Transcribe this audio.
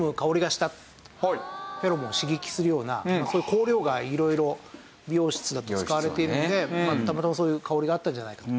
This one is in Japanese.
フェロモンを刺激するようなそういう香料が色々美容室だと使われているのでたまたまそういう香りがあったんじゃないかと。